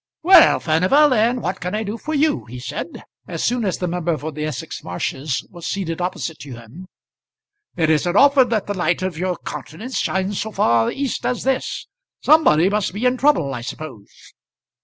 "Well, Furnival, and what can I do for you?" he said, as soon as the member for the Essex Marshes was seated opposite to him. "It isn't often that the light of your countenance shines so far east as this. Somebody must be in trouble, I suppose?"